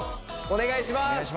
お願いします